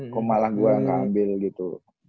kok malah gue ga ambil gitu